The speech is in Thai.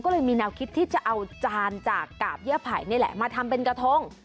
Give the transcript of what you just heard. ก็เลยมีแนวคิดที่จะเอาจานจากกาบย่าไผ่นี่แหละมาทำเป็นกระทง